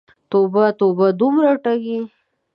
توبه، توبه، دومره ټګې!